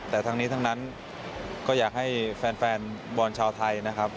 แต่ทั้งนี้ทั้งนั้นก็อยากให้แฟนบอลชาวไทยนะครับ